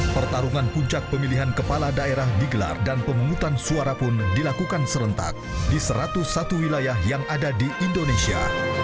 pertarungan puncak pemilihan kepala daerah digelar dan pemungutan suara pun dilakukan serentak di satu ratus satu wilayah yang ada di indonesia